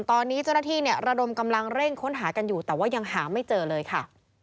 ตอนนี้เจ้าหน้าที่เนี่ยระดมกำลังเร่งค้นหากันอยู่แต่ว่ายังหาไม่เจอเลยค่ะ